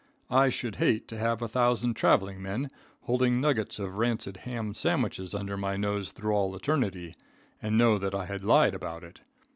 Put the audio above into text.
I should hate to have a thousand traveling men holding nuggets of rancid ham sandwiches under my nose through all eternity, and know that I had lied about it.